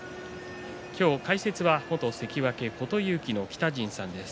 今日解説は、元関脇琴勇輝の北陣さんです。